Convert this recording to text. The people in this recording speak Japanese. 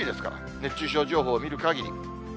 熱中症情報見るかぎり。